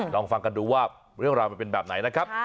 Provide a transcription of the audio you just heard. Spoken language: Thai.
ลองฟังกันดูว่าเรื่องราวมันเป็นแบบไหนนะครับ